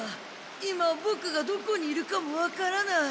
今ボクがどこにいるかもわからない。